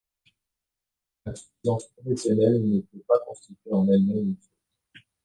L'insuffisance professionnelle ne peut pas constituer en elle-même une faute.